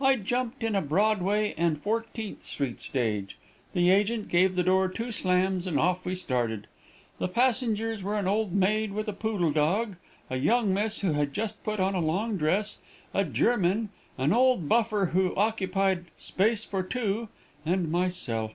I jumped in a Broadway and Fourteenth street stage, the agent gave the door two slams, and off we started. The passengers were an old maid with a poodle dog, a young miss who had just put on a long dress, a German, an old buffer who occupied space for two, and myself.